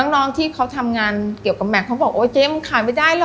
น้องที่เขาทำงานเกี่ยวกับแม็กเขาบอกโอ๊ยเจ๊มันขายไม่ได้หรอก